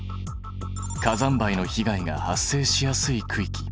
火山灰の被害が発生しやすい区域。